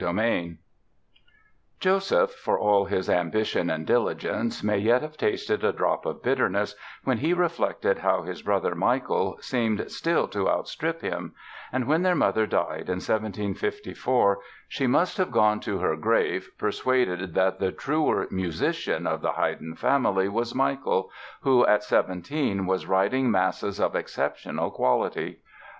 Joseph, for all his ambition and diligence, may yet have tasted a drop of bitterness when he reflected how his brother, Michael, seemed still to outstrip him; and when their mother died in 1754 she must have gone to her grave persuaded that the truer musician of the Haydn family was Michael who, at 17, was writing masses of exceptional quality.